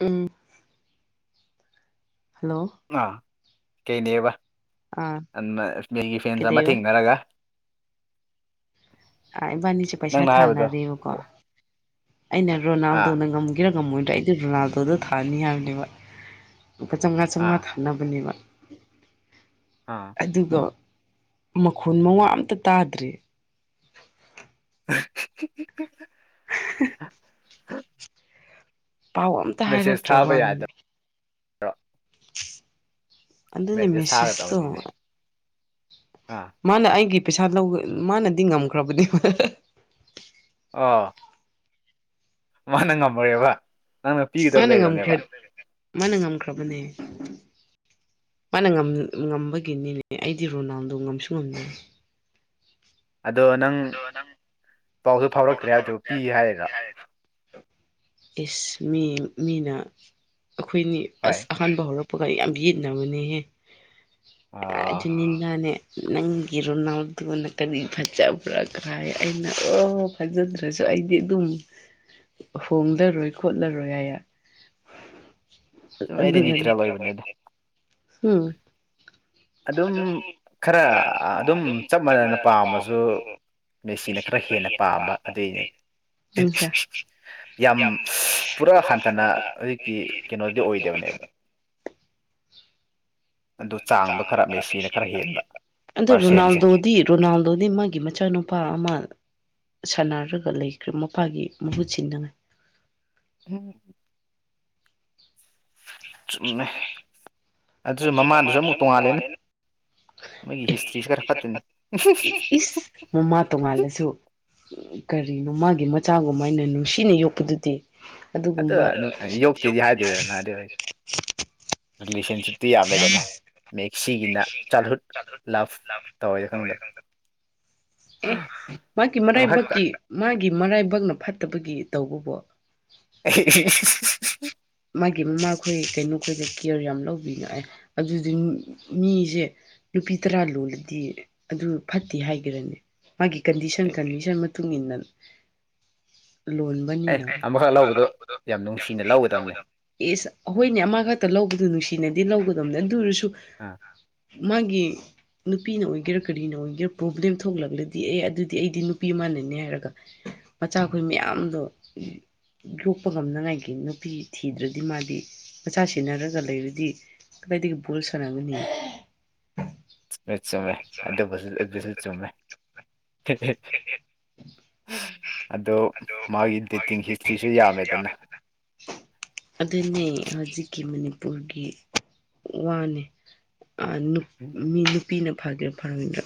ꯎꯝ hello ꯑꯥ ꯀꯩꯅꯦꯕ ꯑꯥ ꯃꯤꯒꯤ ꯐꯦꯟꯁ ꯑꯃ ꯀꯩꯗꯩꯕ ꯊꯦꯡꯅꯔꯒ ꯏꯕꯥꯅꯤꯁꯦ ꯅꯪꯅ ꯄꯩꯁꯥ ꯍꯥꯏꯕꯗꯣ ꯊꯥꯅꯔꯦꯕꯀꯣ ꯑꯣ ꯑꯩꯅ ꯑꯥ ꯔꯣꯅꯥꯜꯗꯣꯅ ꯉꯝꯒꯔꯥ ꯉꯝꯃꯣꯏꯗ꯭ꯔꯥ ꯑꯩꯗ ꯔꯣꯅꯥꯜꯗꯣꯗ ꯊꯥꯅꯤ ꯍꯥꯏꯕꯅꯦꯕ ꯑꯃꯨꯀ ꯆꯥꯝꯉꯥ ꯆꯥꯝꯉꯥ ꯑꯥ ꯊꯥꯅꯕꯅꯦꯕ ꯑꯥ ꯑꯗꯨꯒ ꯃꯈꯣꯟ ꯃꯉꯥ ꯑꯝꯇ ꯇꯥꯗ꯭ꯔꯦ [unintelligible] ꯄꯥꯎ ꯑꯝꯇ ꯃꯦꯁꯦꯁ ꯊꯥꯕ ꯍꯥꯏꯔꯛꯇ꯭ꯔꯕꯅꯤꯅꯦ ꯌꯥꯗꯕ ꯑꯗꯨꯅꯦ ꯕꯦꯁꯦ ꯁꯥꯒ ꯃꯦꯁꯦꯁꯇꯣ ꯇꯕꯅꯤꯅꯦꯦ ꯑꯥ ꯃꯥꯅ ꯑꯩꯒꯤ ꯄꯩꯁꯥ ꯂꯧ ꯃꯥꯅꯗꯤ ꯉꯝꯈ꯭ꯔꯕꯗꯤ ꯑꯥ ꯃꯥꯅ ꯉꯝꯃꯨꯔꯦꯕ ꯅꯪꯅ ꯄꯤꯒꯗꯕ ꯃꯥꯅ ꯂꯩꯔꯤꯕꯅꯦꯕ ꯉꯝꯈ꯭ꯔ ꯃꯥꯅ ꯉꯝꯈ꯭ꯔꯕꯅꯦ ꯃꯥꯅ ꯉꯝꯕꯒꯤꯅꯤꯅꯦ ꯑꯩꯗꯤ ꯔꯣꯅꯥꯜꯗꯣ ꯉꯝꯁꯨ ꯉꯝꯗꯦ ꯑꯗꯣ ꯅꯪ ꯄꯥꯎꯁꯨ ꯐꯥꯎꯔꯛꯇ꯭ꯔꯦ ꯍꯥꯏꯕꯗꯨꯣ ꯄꯤꯒꯦ ꯍꯥꯏꯔꯒ ꯑꯦꯁ ꯃꯤ ꯃꯤꯅ ꯑꯩꯈꯣꯏꯅꯤ ꯍꯣꯏ ꯑꯁ ꯍꯟꯕ ꯍꯧꯔꯛꯄꯒ ꯌꯥꯝ ꯌꯦꯠꯅꯕꯅꯦꯍꯦ ꯍꯥꯏ ꯑꯗꯨ ꯑ ꯅꯤꯗꯥꯅꯦ ꯅꯪꯒꯤꯔꯨꯅꯥꯎꯗꯨꯅ ꯀꯔꯤ ꯐꯖ ꯄꯨꯔꯛꯈ꯭ꯔ ꯍꯥꯏ ꯑꯩꯅ ꯑꯣ ꯐꯖꯗ꯭ꯔꯁꯨ ꯑꯩꯗꯤ ꯑꯗꯨꯝ ꯍꯣꯡꯗꯔꯣꯏ ꯈꯣꯠꯂꯔꯣꯏ ꯍꯥꯏꯌꯦ ꯑꯗꯨꯝ ꯑꯗꯨ ꯑꯩꯗꯤ ꯅ꯭ꯌꯨꯇ꯭ꯔꯦꯜ ꯑꯣꯏꯕꯅꯦꯗ ꯎꯝ ꯑꯗꯨꯝ ꯈꯔ ꯑꯗꯨꯝ ꯆꯞ ꯃꯥꯟꯅꯅ ꯄꯥꯝꯃꯁꯨ ꯃꯦꯁꯤꯅ ꯁꯤꯅ ꯈꯔ ꯍꯦꯟꯅ ꯄꯥꯝꯕ ꯄꯥꯕ ꯑꯗꯨꯏꯅꯦ ꯌꯥꯝ ꯄꯨꯔꯥ ꯍꯠꯇꯅ ꯍꯧꯖꯤꯛꯀꯤ ꯀꯩꯅꯣꯗꯤ ꯑꯣꯏꯗꯕ ꯑꯗꯨ ꯆꯥꯡꯗ ꯈꯔ ꯕꯦꯁꯤꯅ ꯈꯔ ꯌꯦꯄ ꯑꯗꯨ ꯄꯥꯔꯁꯦꯟꯁꯦ ꯔꯣꯅꯥꯜꯗꯣ ꯗꯤ ꯔꯣꯅꯥꯜꯗꯣꯗꯤ ꯃꯥꯒꯤ ꯃꯆꯥꯅꯨꯄꯥ ꯑꯃ ꯁꯥꯟꯅꯔꯒ ꯂꯩꯈ꯭ꯔꯦ ꯃꯄꯥꯒꯤ ꯃꯍꯨꯠ ꯁꯤꯗꯅꯦ ꯎꯝ ꯆꯨꯝꯃꯦ ꯑꯗꯨꯁꯨ ꯃꯃꯥꯡꯗꯨꯁꯨ ꯑꯃꯨꯛ ꯇꯣꯡꯉꯥꯜꯂꯦꯅꯦ ꯃꯒꯤ ꯍꯤꯁꯇ꯭ꯔꯤꯁꯤ ꯈꯔ ꯐꯅꯦ ꯏꯁ ꯃꯃꯥ ꯇꯣꯡꯉꯥꯜꯂꯁꯨ ꯀꯔꯤꯅꯣ ꯃꯥꯒꯤ ꯃꯆꯥꯒꯨꯝ ꯍꯥꯏꯅ ꯅꯨꯡꯁꯤꯅ ꯌꯣꯛꯄꯗꯨꯗꯤ ꯑꯗꯣ ꯑꯗꯨꯒꯨꯝꯕ ꯌꯣꯛꯇꯦꯗꯤ ꯍꯥꯏꯗꯦꯗꯅ ꯑꯗꯨ ꯍꯥꯏꯗꯦ ꯔꯤꯂꯦꯁꯟꯁꯤꯞꯇꯤ ꯌꯥꯝꯃꯦꯗꯅ ꯃꯦꯛꯁꯤꯒꯤꯅ ꯆꯥꯏꯜꯍꯨꯗ ꯂꯞ ꯇꯧꯋꯦ ꯈꯪꯗꯕ ꯑꯦ ꯃꯥꯒꯤ ꯑꯃꯈꯛꯇ ꯃꯔꯥꯏꯕꯛꯀꯤ ꯃꯥꯒꯤ ꯃꯔꯥꯏꯕꯛꯅ ꯐꯠꯇꯕꯒꯤ ꯇꯧꯕꯕꯨꯣ [unintelligible] ꯃꯥꯒꯤ ꯃꯃꯥꯈꯣꯏ ꯀꯩꯅꯣꯈꯣꯏꯗ ꯀꯦꯌꯔ ꯌꯥꯝ ꯂꯧꯕꯤꯅ ꯑꯗꯨꯗꯤ ꯃꯤꯁꯦ ꯅꯨꯄꯤ ꯇꯔꯥ ꯂꯣꯜꯂꯗꯤ ꯑꯗꯨ ꯐꯠꯇꯦ ꯍꯥꯏꯈꯔꯅꯤ ꯃꯥꯒꯤ ꯀꯟꯗꯤꯁꯟ ꯀꯟꯗꯤꯁꯟ ꯃꯇꯨꯡ ꯃꯇꯨꯡꯏꯟꯅ ꯂꯣꯟ ꯑꯦ ꯑꯃꯈꯛ ꯂꯧꯕꯗꯣ ꯌꯥꯝ ꯅꯨꯡꯁꯤꯅ ꯂꯧꯒꯗꯕꯅꯦ ꯑꯦꯁ ꯑꯩꯈꯣꯏꯅꯦ ꯑꯃ ꯈꯛꯇ ꯂꯧꯕꯗꯨꯣ ꯅꯨꯡꯁꯤꯅꯗꯤ ꯂꯧꯒꯗꯧꯕꯅꯦ ꯑꯗꯨ ꯑꯣꯏꯔꯁꯨ ꯑꯥ ꯃꯥꯒꯤ ꯅꯨꯄꯤꯅ ꯑꯣꯏꯒꯦꯔꯥ ꯀꯔꯤꯅ ꯑꯣꯏꯒꯦꯔꯥ ꯄ꯭ꯔꯣꯕ꯭ꯂꯦꯝ ꯊꯣꯛꯂꯛ ꯗꯤ ꯑꯦ ꯑꯗꯨꯗꯤ ꯑꯩꯗꯤ ꯅꯨꯄꯤ ꯃꯥꯟꯅꯅꯤ ꯍꯥꯏꯔꯒ ꯃꯆꯥꯈꯣꯏ ꯃꯌꯥꯝꯗꯣ ꯌꯣꯛꯄ ꯉꯝꯅꯉꯥꯏꯒꯤ ꯅꯨꯄꯤ ꯊꯤꯗ꯭ꯔꯗꯤ ꯃꯥꯗꯤ ꯃꯆꯥ ꯁꯦꯟꯅꯔꯒ ꯂꯩꯔꯗꯤ ꯕꯗꯤ ꯣꯜ ꯁꯅꯒꯅꯤ ꯃ ꯆꯃꯦ ꯑꯗꯨꯗꯁ ꯆꯣꯃꯦ ꯑꯗ ꯃꯥꯒꯤ ꯏꯗ ꯏ ꯍꯤꯁꯇꯔꯤꯁꯨ ꯌꯥ ꯌꯥꯕꯦꯗꯅ ꯑꯗꯨꯅꯦ ꯍꯧꯖꯤꯛꯀꯤ ꯃꯅꯤꯄꯨꯔꯒꯤ ꯋꯥꯅꯦ ꯎꯝ ꯃꯤ ꯅꯨꯄꯤꯅ ꯐꯒꯦꯔꯥ ꯐꯔꯅꯤꯗ꯭ꯔ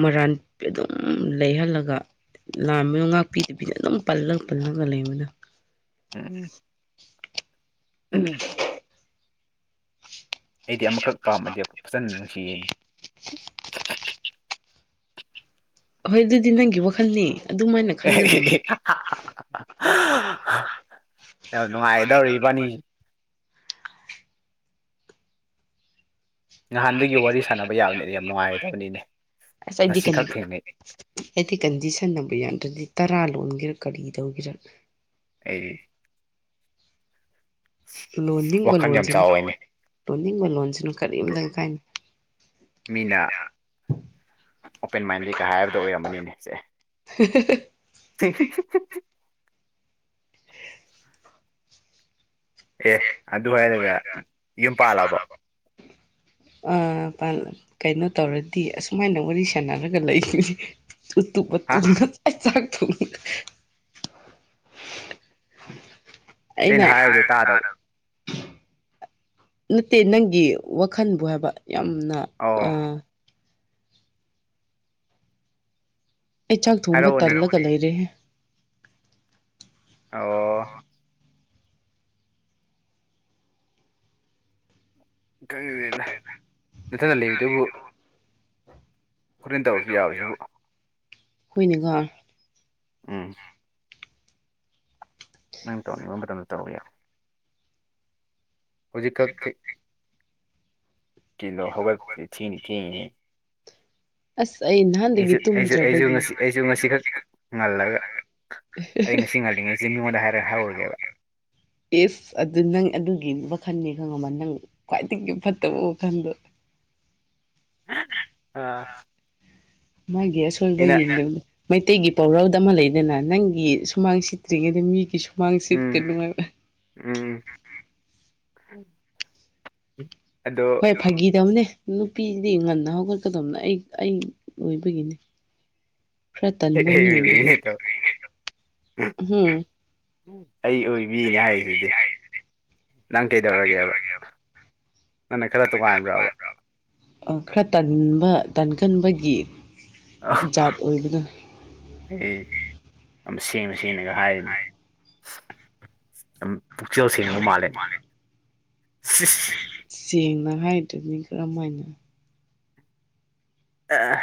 ꯃꯔꯥꯟ ꯑꯗꯨꯝ ꯂꯩꯍꯜꯂꯒ ꯂꯥꯝꯃꯤꯣ ꯉꯥꯛꯄꯤꯗꯨꯕꯤꯗ ꯑꯗꯨꯝ ꯄꯜꯂꯒ ꯄꯜꯂꯒ ꯂꯩꯕꯅ ꯎꯝ ꯎ ꯑꯩꯗꯤ ꯑꯃꯈꯛ ꯄꯥꯝꯃꯗꯤ ꯐꯖꯅ ꯅꯨꯡꯁꯤꯌꯦꯅꯤ ꯍꯣꯏ ꯑꯗꯨꯗꯤ ꯅꯪꯒꯤ ꯋꯥꯈꯜꯅꯤ ꯑꯗꯨꯃꯥꯏꯅ ꯈꯟꯒꯗꯕꯅꯤ ꯅꯨꯡꯉꯥꯏꯒꯗꯧꯔ ꯏꯕꯥꯅꯤ ꯅꯍꯥꯟꯗꯒꯤ ꯋꯥꯔꯤ ꯁꯥꯟꯅꯕ ꯁꯥꯠꯄ ꯌꯥꯕꯅꯤꯅ ꯌꯥꯝ ꯌꯥꯅꯤꯗꯤ ꯅꯨꯡꯉꯥꯏꯒꯗꯕꯅꯤꯅꯦ ꯉꯁꯤ ꯈꯛ ꯊꯦꯡꯅꯩ ꯑꯩꯗꯤ ꯀꯟꯗꯤꯁꯟ ꯅꯝꯕꯔ ꯌꯥꯗ꯭ꯔꯗꯤ ꯇꯔꯥ ꯂꯣꯟꯒꯦꯔꯥ ꯀꯔꯤ ꯇꯧꯒꯦꯔ ꯑꯩ ꯂꯣꯟꯅꯤꯡꯕ ꯋꯥꯈꯜ ꯌꯥꯝ ꯂꯣꯟꯁꯤꯅ ꯆꯥꯎꯋꯦꯅꯦ ꯂꯣꯟꯅꯤꯡꯕ ꯂꯣꯟꯁꯤꯅ ꯕ꯭ꯔꯣ- ꯀꯔꯤꯝꯇꯪ ꯀꯥꯏꯅꯤ ꯃꯤꯅ ꯑꯣꯄꯦꯟ ꯃꯥꯏꯟꯗꯦꯠꯀ ꯍꯥꯏꯕꯗꯣ ꯑꯣꯏꯔꯝꯃꯅꯤꯅꯦ ꯁꯦ ꯍ ꯆ ꯑꯦ ꯑꯗꯨ ꯍꯥꯏꯔꯒ ꯌꯨꯝ ꯄꯥꯜꯂꯕ ꯀꯩꯅꯣ ꯇꯧꯔꯗꯤ ꯑꯁꯨꯃꯥꯏꯅ ꯋꯥꯔꯤ ꯁꯥꯟꯅꯔꯒ ꯂꯩꯅꯤ ꯇꯨꯝꯕ ꯍꯥ ꯇꯨꯝꯅ ꯆ ꯆꯥꯛ ꯊꯣꯡ ꯑꯩ ꯑꯩꯅ ꯅ ꯍꯥꯏꯕꯗꯣ ꯇꯥꯗꯕ ꯇꯔ ꯅꯠꯇꯦ ꯅꯪꯒꯤ ꯋꯥꯈꯜꯕꯨ ꯍꯥꯏꯕ ꯌꯥꯝꯅ ꯑꯣ ꯑ ꯑꯩ ꯆꯥꯛ ꯊꯣꯡꯕ ꯍꯥꯏꯔꯛꯑꯣꯅꯦ ꯇꯜꯂꯒ ꯂꯩꯔꯦꯍꯦ ꯑꯣ ꯀꯪꯅ ꯅꯠꯇꯅ ꯂꯩꯕꯗꯨꯕꯨ ꯈꯨꯣꯔꯦꯟ ꯇꯧꯔꯁꯨ ꯌꯥꯎꯕꯁꯤꯕꯨ ꯑꯩꯈꯣꯏꯅꯒ ꯎꯝ ꯅꯪ ꯇꯧꯅꯤꯡꯕ ꯃꯇꯝꯗ ꯇꯧꯋ ꯌꯥꯏ ꯍꯧꯖꯤꯛꯀꯛ ꯀꯂꯣ ꯍꯧꯒ [unintelligible] ꯑꯁ ꯑꯩꯅ ꯑꯩꯁꯨ ꯑꯩꯁꯨ ꯑꯩꯁꯨ ꯉꯁꯤ ꯑꯩꯁꯨ ꯉꯁꯤ ꯈꯛ ꯉꯜꯂꯒ ꯑꯩ ꯉꯁꯤ ꯉꯜꯂꯤꯉꯩꯁꯦ ꯃꯤꯉꯣꯟꯗ ꯍꯥꯏꯔꯒ ꯍꯧꯔꯒꯦꯕ ꯏꯁ ꯑꯗꯨ ꯅꯪ ꯑꯗꯨꯒꯤ ꯋꯥꯈꯜꯅꯤ ꯈꯪꯉꯃ ꯅꯪ ꯈꯋꯥꯏꯗꯒꯤ ꯐꯠꯇꯕ ꯋꯥꯈꯟꯗꯨ ꯑꯥ ꯃꯥꯒꯤ ꯑꯁꯣꯏꯕ ꯑꯩꯅ ꯌꯦꯡꯉꯥꯒ ꯃꯩꯇꯩꯒꯤ ꯄꯥꯎꯔꯥꯎꯗ ꯑꯃ ꯂꯩꯗꯅ ꯅꯪꯒꯤ ꯁꯨꯃꯥꯡ ꯁꯤꯠꯇ꯭ꯔꯤꯉꯩꯗ ꯃꯤꯒꯤ ꯁꯨꯃꯥꯡ ꯎꯝ ꯁꯤꯠꯀꯅꯨ ꯍꯥꯏꯕ ꯎꯝ ꯑꯗꯣ ꯍꯣꯏ ꯐꯥꯒꯤꯗꯕꯅꯦ ꯅꯨꯄꯤꯁꯤꯗꯤ ꯉꯟꯅ ꯍꯧꯒꯠꯀꯗꯕꯅ ꯑꯩ ꯑꯩ ꯑꯣꯏꯕꯒꯤꯅꯦ [unintelligible] ꯑꯩ ꯑꯣꯏꯕꯤꯅꯦ ꯍꯥꯏꯔꯤꯗꯨꯗꯤ ꯅꯪ ꯀꯩꯗꯧꯔꯒꯦꯕ ꯅꯪꯅ ꯈꯔ ꯇꯣꯉꯥꯟꯕ꯭ꯔꯕ ꯑ ꯈꯔ ꯇꯟꯕ ꯇꯟꯀꯟꯕꯒꯤ ꯖꯥꯠ ꯑꯣꯏꯕꯗꯨ ꯑꯩ ꯌꯥꯝ ꯁꯦꯡꯅ ꯁꯦꯡꯅꯒ ꯍꯥꯏꯔꯤꯅꯦ ꯄꯨꯛꯆꯦꯜ ꯁꯦꯡꯕ ꯃꯥꯜꯂꯦ ꯁꯤꯁ ꯁꯦꯡꯅ ꯍꯥꯏꯗꯨ ꯃꯤ ꯀꯔꯝ ꯍꯥꯏꯅ ꯑ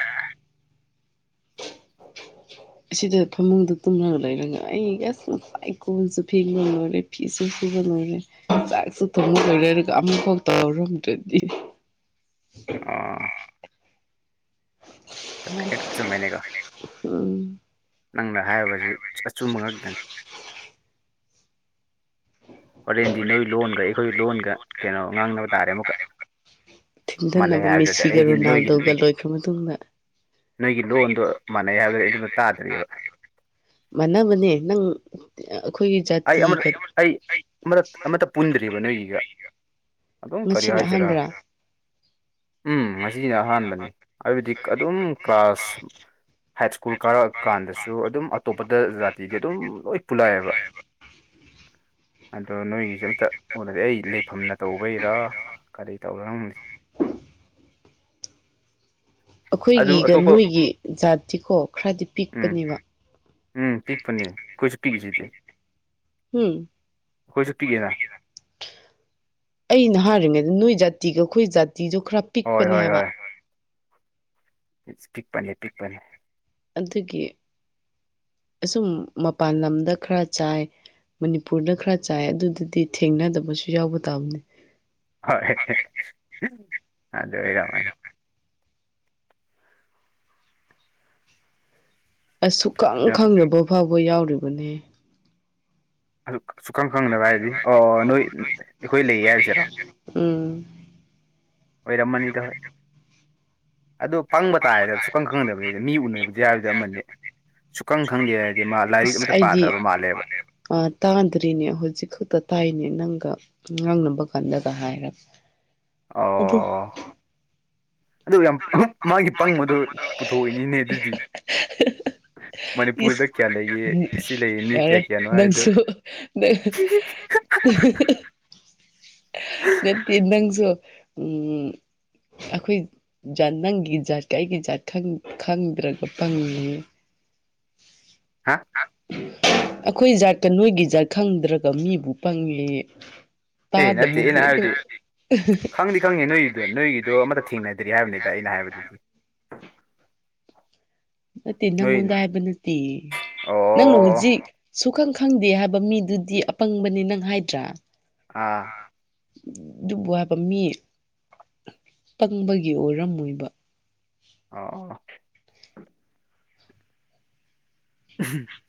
[unintelligible] ꯑꯁꯤꯗ ꯐꯃꯨꯡꯗ ꯇꯨꯝꯂꯒ ꯂꯩꯔꯒ ꯑꯩ ꯑꯁ ꯉꯁꯥꯏ ꯏ ꯀꯣꯟꯁꯨ ꯐꯦꯡꯕ ꯂꯣꯏꯔꯦ ꯐꯤꯁꯨ ꯁꯨꯕ ꯂꯣꯏꯔꯦ ꯆꯥꯛꯁꯨ ꯊꯣꯡꯕ ꯂ‌ꯣꯏꯔꯦ ꯍꯥꯏꯔꯒ ꯑꯃꯨꯛ ꯐꯥꯎ ꯇꯧꯔꯝꯗ꯭ꯔꯗꯤ ꯑꯥ [unintelligible] ꯆꯨꯝꯃ‌ꯦ ꯅꯦꯀꯣ ꯎꯝ ꯅꯪꯅ ꯍꯥꯏꯕꯁꯤ ꯑꯆꯨꯝꯕ ꯉꯛꯇꯥꯟ ꯍꯣꯔꯦꯟꯗꯤ ꯅꯣꯏ ꯂꯣꯟꯒ ꯑꯩꯈꯣꯏ ꯂꯣꯟꯒ ꯀꯩꯅꯣ ꯉꯥꯡꯅꯕ ꯇꯥꯔꯦ ꯑꯃꯨꯛꯀ ꯃꯥꯟꯅꯩ ꯊꯤꯟꯊꯅꯕ ꯍꯥꯏꯕꯗꯨꯗ ꯃꯤꯁꯤꯒ ꯑꯩꯗꯤ ꯅꯣꯏꯒꯤ ꯔꯣꯅꯥꯜꯗꯣꯒ ꯂꯣꯏꯈ꯭ꯔ ꯃꯇꯨꯡꯗ ꯅꯣꯏꯒꯤ ꯂꯣꯟꯗꯣ ꯃꯥꯟꯅꯩ ꯍꯥꯏꯕꯗꯨ ꯑꯩ ꯑꯗꯨꯝ ꯇꯥꯗ꯭ꯔꯤꯑꯕ ꯃꯥꯟꯅꯕꯅꯦ ꯅꯪ ꯑꯩꯈꯣꯏꯒꯤ ꯑꯩ ꯑꯃ ꯖꯥꯇꯤꯒ ꯑꯩ ꯑꯃꯔꯛ ꯑꯃꯠꯇ ꯄꯨꯟꯗ꯭ꯔꯤꯕ ꯅꯣꯏꯒꯤꯒ ꯑꯗꯨꯝ ꯀꯔꯤ ꯉꯁꯤꯅ ꯍꯥꯏꯁꯤꯔꯥ ꯑꯍꯥꯟꯕꯔꯥ ꯎꯝ ꯉꯁꯤꯅ ꯑꯍꯥꯟꯕꯅꯤ ꯍꯥꯏꯕꯗꯤ ꯑꯗꯨꯝ ꯀ꯭ꯂꯥꯁ ꯍꯥꯏꯁ꯭ꯀꯨꯜ ꯀꯥꯔꯛꯑꯀꯥꯟꯗꯁꯨ ꯑꯗꯨꯝ ꯑꯇꯣꯞꯄꯗ ꯖꯥꯇꯤꯒꯤ ꯑꯗꯨꯝ ꯂꯣꯏ ꯄꯨꯜꯂꯛꯑꯦꯕ ꯑꯗꯣ ꯅꯣꯏꯒꯤꯁ ꯑꯝꯇ ꯑꯣꯠꯂꯗꯤ ꯑꯩ ꯂꯩꯐꯝꯅ ꯇꯧꯕꯩꯔꯥ ꯀꯔꯤ ꯇꯧꯔ ꯅꯪꯁꯦ ꯑꯗꯨ ꯑꯩꯈꯣꯏꯒꯤꯒ ꯑꯇꯣꯞꯄ ꯅꯣꯏꯒꯤ ꯖꯥꯠꯇꯤꯀꯣ ꯈꯔꯗꯤ ꯎꯝ ꯄꯤꯛꯄꯅꯦꯕ ꯎꯝ ꯄꯤꯛꯄꯅꯦ ꯑꯩꯈꯣꯏꯁꯨ ꯄꯤꯛꯏꯁꯤꯗꯤ ꯎꯝ ꯑꯩꯈꯣꯏꯁꯨ ꯄꯤꯛꯏꯅ ꯑꯩꯅ ꯍꯥꯏꯔꯤꯉꯩꯗ ꯅꯣꯏ ꯖꯥꯇꯤꯒ ꯑꯩꯈꯣꯏ ꯖꯥꯇꯤꯗꯣ ꯈꯔ ꯍꯣꯏ ꯄꯤꯛꯄꯅꯦ ꯍꯥꯏꯕ ꯏꯁ ꯄꯤꯛꯄꯅꯦ ꯄꯤꯛꯄꯅꯦ ꯑꯗꯨꯒꯤ ꯑꯁꯨꯝ ꯃꯄꯥꯟ ꯂꯝꯗ ꯈꯔ ꯆꯥꯏ ꯃꯅꯤꯄꯨꯔꯗ ꯈꯔ ꯆꯥꯏ ꯑꯗꯨ ꯗꯨꯗꯤ ꯊꯦꯡꯅꯗꯕꯁꯨ ꯌꯥꯎꯕ ꯇꯥꯕꯅꯤ ꯍꯣꯏ ꯑꯗꯣꯏꯔꯝꯃꯅꯤ ꯁꯨꯈꯪ ꯑꯗꯨꯝ ꯈꯪꯗꯕ ꯐꯥꯎꯕ ꯌꯥꯎꯔꯤꯕꯅꯤ ꯁꯨꯛꯈꯪ ꯈꯪꯗꯕ ꯍꯥꯏꯗꯤ ꯑꯣ ꯅꯣꯏ ꯑꯩꯈꯣꯏ ꯂꯩꯌꯦ ꯍꯥꯏꯕꯁꯤꯔꯣ ꯎꯝ ꯑꯣꯏꯔꯝꯃꯅꯤꯗ ꯍ‌ꯣꯏ ꯑꯗꯣ ꯄꯪꯕ ꯇꯥꯏꯌ‌ꯦꯗ ꯁꯨꯛꯀꯪ ꯈꯪꯅꯗꯕ ꯃꯤ ꯎꯅꯕꯗꯤ ꯍꯥꯏꯕꯗꯤ ꯑꯃꯅꯤ ꯁꯨꯀꯪ ꯈꯪꯗꯦ ꯍꯥꯏꯔꯗꯤ ꯃꯥ ꯂꯥꯏꯔꯤꯛ ꯑꯁ ꯑꯃꯠꯇ ꯑꯩꯗꯤ ꯄꯥꯗ꯭ꯔꯕ ꯃꯥꯜꯂꯦꯕ ꯇꯥꯗ꯭ꯔꯤꯅꯦ ꯍꯧꯖꯤꯛ ꯈꯛꯇ ꯇꯥꯏꯅꯦ ꯅꯪꯒ ꯑꯉꯥꯡꯅꯕ ꯀꯥꯟꯗꯒ ꯍꯥꯏꯔꯕ ꯑꯣ ꯑꯗꯨ ꯌꯥꯝ ꯄꯪ ꯃꯥꯒꯤ ꯄꯪꯕꯗꯣ ꯄꯨꯊꯣꯛꯏꯅꯤꯅꯦ ꯑꯗꯨꯗꯤ [unintelligible] ꯃꯅꯤꯄꯨꯔꯗ ꯀꯌꯥ ꯂꯩꯒꯦ ꯁꯤ ꯂꯩꯌꯦ ꯃꯤ ꯌꯥꯔꯦ ꯀꯌꯥ ꯀꯌꯥꯅꯣ ꯍꯥꯏꯗꯣ ꯅꯪꯁꯨ ꯅ ꯅꯠꯇꯦ ꯅꯪꯁꯨ ꯎꯝ [unintelligible] ꯑꯩꯈꯣꯏ ꯖꯥꯠ ꯅꯪꯒꯤ ꯖꯥꯠꯀ ꯑꯩꯒꯤ ꯖꯥꯠ ꯈꯪꯗ꯭ꯔꯒ ꯐꯪꯉ ꯍꯥ ꯑꯩꯈꯣꯏ ꯖꯥꯠꯠꯇ ꯅꯣꯏꯒꯤ ꯖꯥꯠ ꯈꯪꯗ꯭ꯔꯒ ꯃꯤꯕꯨ ꯄꯪꯉꯦ ꯑꯦ ꯇꯥꯗꯕꯨ ꯈꯤ ꯈꯪꯉꯦ ꯅꯣꯏꯒꯤꯗꯣ ꯅꯣꯏꯒꯤꯗꯣ ꯑꯃꯠꯇ ꯊꯦꯡꯅꯗ꯭ꯔꯤ ꯍꯥꯏꯕꯅꯤꯗ ꯑꯩꯅ ꯍꯥꯏꯕꯗꯨꯗꯤ ꯅꯠꯇꯦ ꯅꯣꯏ ꯅꯪꯉꯣꯟꯗ ꯍꯥꯏꯕ ꯅꯠꯇꯦ ꯅꯪꯅ ꯑꯣ ꯍꯧꯖꯤꯛ ꯁꯨꯈꯪ ꯈꯪꯗꯦ ꯍꯥꯏꯕ ꯃꯤꯗꯨꯗꯤ ꯑꯄꯪꯕꯅꯤ ꯅꯪ ꯍꯥꯏꯗ꯭ꯔꯥ ꯑꯥ ꯑꯗꯨꯕꯨ ꯍꯥꯏꯕ ꯃꯤ ꯄꯪꯕꯒꯤ ꯑꯣꯏꯔꯝꯃꯣꯏꯕ ꯑꯣ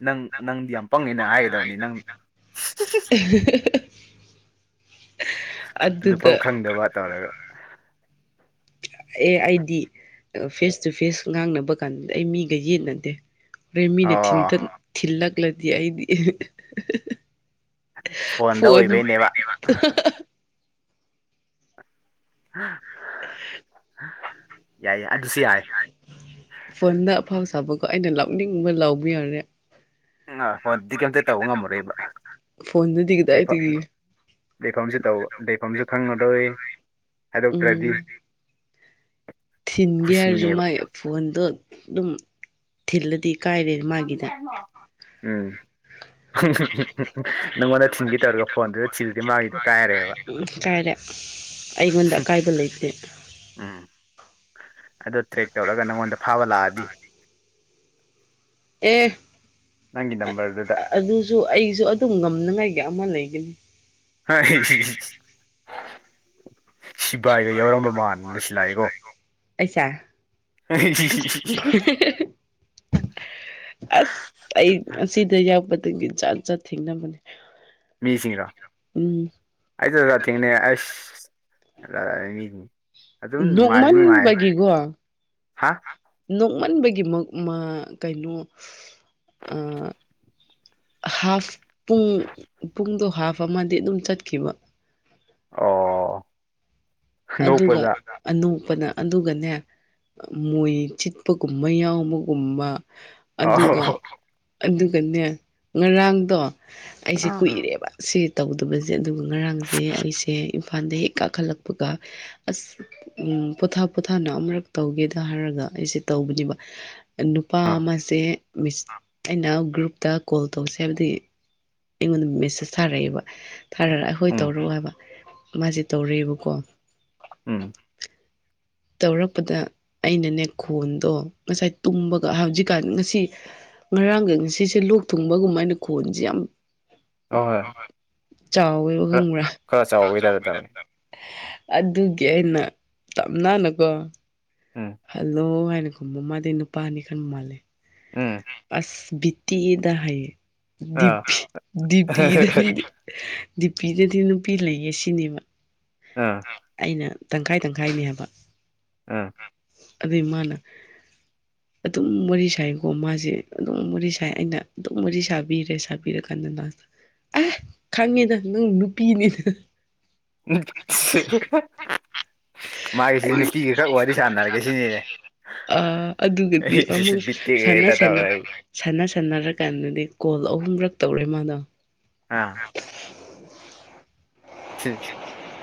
ꯅꯪ ꯅꯪꯗꯤ ꯌꯥꯝ ꯄꯪꯉꯅ ꯍꯥꯏꯒꯗꯕꯅꯤ ꯅꯪ [unintelligible] ꯑꯗꯨꯐꯥꯎ ꯈꯪꯗꯕ ꯇꯧꯔꯒ ꯑꯦ ꯑꯩꯗꯤ ꯐꯦꯁ ꯇꯨ ꯐꯦꯁ ꯉꯥꯡꯅꯕ ꯀꯥꯟꯗ ꯑꯩ ꯃꯤꯒ ꯌꯦꯠꯅꯗꯦ ꯔꯦꯃꯤꯅ ꯑꯣ ꯊꯤꯟꯇꯠ ꯊꯤꯜꯂꯛꯂꯗꯤ ꯑꯩꯗꯤ ꯐꯣꯟꯗ ꯐꯣꯟ ꯑꯣꯏꯕꯩꯅꯦꯕ ꯌꯥꯏ ꯑꯗꯨꯁꯨ ꯌꯥꯏ ꯐꯣꯟꯗ ꯑꯐꯥꯎ ꯁꯥꯕꯀꯣ ꯑꯩꯅ ꯂꯥꯎꯅꯤꯡꯕ ꯂꯥꯎꯕ ꯌꯥꯔꯦ ꯍꯣꯏꯗꯤ ꯀꯩꯝꯇ ꯇꯧꯕ ꯉꯝꯃꯨꯔꯣꯏꯕ ꯐꯣꯟꯗꯗꯤ ꯑ ꯐ ꯀꯗꯥꯏꯗꯒꯤ [unintelligible] ꯂꯩꯐꯝꯁꯦ ꯇꯧ ꯂꯩꯐꯝꯁꯨ ꯈꯪꯉꯗꯣꯏ ꯎꯝ ꯊꯤꯟꯒꯦ ꯍꯥꯏꯔꯁꯨ ꯈꯨꯁꯤꯅꯦꯕ ꯃꯥꯏ ꯐꯣꯟꯗꯣ ꯑꯗꯨꯝ ꯊꯤꯜꯂꯗꯤ ꯀꯥꯏꯔꯦ ꯎꯝ ꯃꯥꯒꯤꯗ ꯅꯪꯉꯣꯟꯗ ꯊꯤꯟꯈꯤ ꯇꯧꯔꯒ ꯐꯣꯟꯗꯨꯗ ꯊꯤꯜꯗꯤ ꯃꯥꯒꯤꯗꯣ ꯀꯥꯏꯔꯦꯕ ꯀꯥꯏꯔꯦ ꯑꯩꯉꯣꯟꯗ ꯑꯀꯥꯏꯕ ꯂꯩꯇꯦ ꯎꯝ ꯑꯗ ꯇ꯭ꯔꯦꯛ ꯇꯧꯔꯒ ꯅꯪꯉꯣꯟꯗ ꯐꯥꯕ ꯂꯥꯛꯑꯗꯤ ꯑꯦ ꯅꯪꯒꯤ ꯅꯝꯕꯔꯗꯨꯗ ꯑꯗꯨꯁꯨ ꯑꯩꯁꯨ ꯑꯗꯨꯝ ꯉꯝꯅꯉꯥꯏꯒꯤ ꯑꯃ ꯂꯩꯒꯅꯤ ꯍꯥꯏ ꯁꯤꯕꯥꯏꯒ ꯌꯥꯎꯔꯝꯕ ꯃꯥꯟꯅ ꯁꯤ ꯂꯥꯛꯑꯦꯀꯣ ꯑꯩꯁꯦ ꯑꯩ ꯑꯁ ꯑꯩ ꯉꯁꯤꯗ ꯌꯥꯎꯕꯗꯒꯤꯖꯥ ꯆꯥ ꯊꯦꯡꯅꯕꯅꯦ ꯃꯤꯁꯤꯡꯔꯣ ꯎꯝ ꯑꯩꯗ ꯊꯦꯡꯅꯩ ꯑꯁ ꯃꯤꯁꯤꯡ ꯑꯗꯨꯝ ꯅꯨꯡꯉꯥꯏꯁꯨ ꯅꯨꯡꯉꯥꯏꯌꯦ ꯅꯣꯡꯃꯟꯕꯒꯤꯀꯣ ꯍꯥ ꯅꯣꯡꯃꯟꯕꯒꯤꯃꯛ ꯃꯥ ꯀꯩꯅꯣ ꯍꯥꯐ ꯄꯨꯡ ꯄꯨꯡꯗꯣ ꯍꯥꯐ ꯑꯃꯗꯤ ꯑꯗꯨꯝ ꯆꯠꯈꯤꯕ ꯑꯣ ꯑꯗꯨꯒ ꯅꯣꯛꯄꯗ ꯑꯅꯧꯕꯅ ꯑꯗꯨꯒꯅꯦ ꯃꯣꯏ ꯆꯤꯠꯄꯒꯨꯝꯕ ꯌꯥꯎꯕꯒꯨꯝꯕ ꯑꯗꯨꯒ ꯑꯣ ꯑꯗꯨꯒꯅꯦ ꯉꯔꯥꯡꯗꯣ ꯑꯩꯁꯦ ꯑ ꯀꯨꯏꯔꯦꯕ ꯁꯤ ꯇꯧꯗꯕꯁꯦ ꯑꯗꯨꯒ ꯉꯔꯥꯡꯁꯦ ꯑꯩꯁꯦ ꯏꯝꯐꯥꯜꯗ ꯍꯦꯛ ꯀꯥꯈꯠꯂꯛꯄꯒ ꯑꯁ ꯎꯝ ꯄꯣꯊꯥ ꯄꯣꯊꯥꯅ ꯑꯃꯨꯔꯛ ꯇꯧꯒꯦꯗ ꯍꯥꯏꯔꯒ ꯑꯩꯁꯦ ꯇꯧꯕꯅꯦꯕ ꯅꯨꯄꯥ ꯑꯃꯁꯦꯁ ꯑꯩꯅ ꯒ꯭ꯔꯨꯞꯇ ꯀꯣꯜ ꯇꯧꯁꯦ ꯍꯥꯏꯕꯗꯤ ꯑꯩꯉꯣꯟꯗ ꯃꯦꯁꯦꯁ ꯊꯥꯔꯛꯑꯦꯕ ꯊꯥꯔꯔ ꯍꯣꯏ ꯎꯝ ꯇꯧꯔꯛꯑꯣ ꯍꯥꯏꯕ ꯃꯥꯁꯦ ꯇꯧꯔꯛꯑꯦꯕꯀꯣ꯫ ꯎꯝ꯫ ꯇꯧꯔꯛꯄꯗ ꯑꯩꯅꯅꯦ ꯈꯣꯟꯗꯣ ꯉꯁꯥꯏ ꯇꯨꯝꯕꯒ ꯍꯧꯖꯤꯛꯀꯥꯟ ꯉꯁꯤ꯫ ꯉꯔꯥꯡꯒꯤ ꯉꯁꯤꯁꯦ ꯂꯣꯛ ꯊꯨꯡꯕꯒꯨꯝꯕ ꯍꯥꯏꯅ ꯈꯣꯟꯁꯦ ꯌꯥꯝ ꯍꯣꯏ ꯍꯣꯏ ꯆꯥꯎꯋꯦꯕ ꯈꯔ ꯈꯪꯕ꯭ꯔꯥ꯫ ꯈꯔ ꯆꯥꯎꯕꯒꯤ ꯇꯥꯏꯞꯇ ꯇꯧꯋꯦ ꯑꯗꯨꯒꯤ ꯑꯩꯅ꯫ ꯅꯥꯅꯀꯣ꯫ ꯎꯝ꯫ ꯍꯜꯂꯣ ꯍꯥꯏꯅ ꯈꯨꯝꯕ ꯃꯥꯗꯤ ꯅꯨꯄꯥꯅꯤ ꯈꯟꯕ ꯃꯥꯜꯂꯦ꯫ ꯎꯝ꯫ ꯑꯁ ꯕꯤꯠ ꯇꯦꯛꯏꯗ ꯍꯥꯏꯌꯦ ꯑꯥ ꯗꯤꯄꯤ ꯗꯤꯄꯤꯗꯨꯅꯦ eidi ꯗꯤꯄꯤꯗꯗꯤ ꯅꯨꯄꯤ ꯂꯩꯌꯦ ꯁꯤꯅꯦꯕ꯫ ꯑꯥ꯫ ꯑꯩꯅ ꯇꯪꯈꯥꯏ ꯇꯪꯈꯥꯏꯅꯦ ꯍꯥꯏꯕ꯫ ꯑꯥ꯫ ꯑꯗꯨꯏ ꯃꯥꯅ ꯑꯗꯨꯝ ꯋꯥꯔꯤ ꯁꯥꯏ ꯑꯣ ꯃꯥꯁꯦ ꯑꯗꯨꯝ ꯋꯥꯔꯤ ꯁꯥꯏ ꯑꯩꯅ ꯑꯗꯨꯝ ꯋꯥꯔꯤ ꯁꯥꯕꯤꯔꯦ ꯁꯥꯕꯤꯔꯀꯥꯟꯗ ꯀꯥꯁꯇ ꯈꯪꯉꯦꯗ ꯅꯪ ꯅꯨꯄꯤꯅꯦ꯫ [unintelligible] ꯃꯥꯒꯤꯁꯤꯗꯤ ꯑꯩ ꯅꯨꯄꯤꯒ ꯈꯛ ꯋꯥꯔꯤ ꯁꯥꯟꯅꯔꯒꯦ ꯁꯤꯅꯤꯅꯦ꯫ ꯑ ꯑꯗꯨꯒꯗꯤ ꯑꯩ ꯁꯤꯁꯤ ꯑꯃꯨꯛ ꯕꯤꯠ ꯁꯥꯟꯅ ꯇꯦꯛꯑꯦꯗ ꯁꯥꯟꯅ ꯇꯧꯔ ꯑꯩ ꯁꯥꯟꯅ ꯁꯅꯔꯀꯥꯟꯗꯗꯤ ꯀꯣꯜ ꯑꯍꯨꯝꯔꯛ ꯇꯧꯔꯦ ꯃꯥꯗꯣ꯫ ꯑꯥ꯫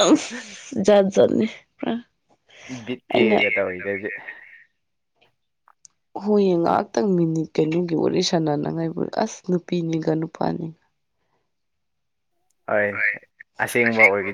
ꯥꯑꯁ ꯖꯠ ꯖꯠꯅꯦ ꯄꯨꯔ꯫ ꯕꯤ ꯇꯦꯛꯑꯒ ꯇꯧꯋꯤꯗꯗꯤ ꯍꯣꯏꯌꯦ ꯉꯥꯏꯍꯥꯛꯇꯪ ꯃꯤꯅꯤꯠ ꯀꯩꯅꯣꯒꯤ ꯋꯥꯔꯤ ꯁꯥꯟꯅꯅꯉꯥꯏꯕꯨ ꯑꯁ ꯅꯨꯄꯤꯅꯤꯒ ꯅꯨꯄꯥꯅꯤꯒ꯫ ꯍꯣꯏꯌꯦ ꯑꯁꯦꯡꯕ ꯑꯣꯏꯈꯤꯗ